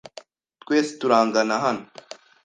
Twese turangana hano.